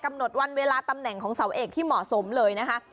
หมดวันเวลาตำแหน่งของเสาเอกที่เหมาะสมเลยนะคะ